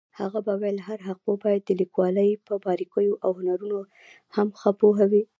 هغە به ویل هر حقوقپوه باید د لیکوالۍ په باريكييواو هنرونو هم ښه پوهوي.